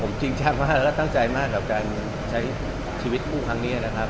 ผมจริงจังมากแล้วก็ตั้งใจมากกับการใช้ชีวิตคู่ครั้งนี้นะครับ